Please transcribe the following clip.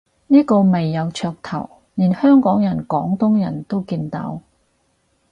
呢個咪有噱頭，連香港人廣東人都見到